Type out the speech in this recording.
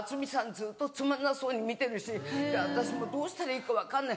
ずっとつまんなそうに見てるし私もうどうしたらいいか分かんない。